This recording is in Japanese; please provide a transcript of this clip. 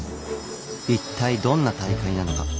一体どんな大会なのか。